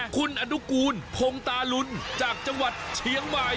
คุณอนุกูลพงตาลุนจากจังหวัดเชียงใหม่